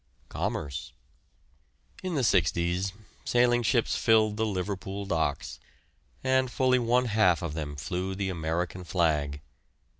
COMMERCE. In the 'sixties, sailing ships filled the Liverpool docks, and fully one half of them flew the American flag.